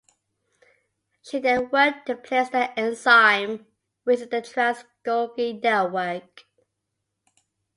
She then worked to place that enzyme within the "trans" Golgi network.